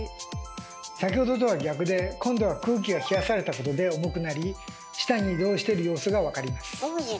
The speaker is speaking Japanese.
先ほどとは逆で今度は空気が冷やされたことで重くなり下に移動してる様子が分かります。